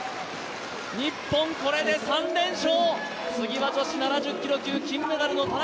日本、これで３連勝。